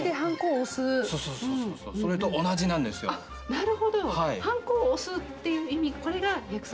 なるほどはんこを押すっていう意味これが約束？